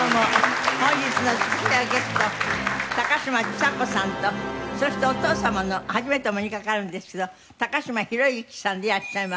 本日のスペシャルゲスト高嶋ちさ子さんとそしてお父様の初めてお目にかかるんですけど嶋弘之さんでいらっしゃいます。